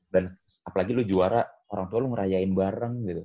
dan apalagi lu juara orang tua lu ngerayain bareng gitu